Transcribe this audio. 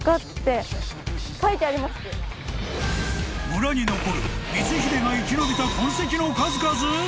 ［村に残る光秀が生き延びた痕跡の数々！？］